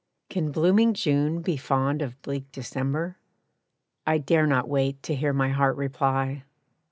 Can blooming June be fond of bleak December? I dare not wait to hear my heart reply.